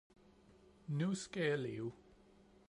Nu skal jeg leve